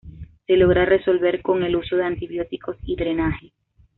Se logra resolver con el uso de antibióticos y drenaje.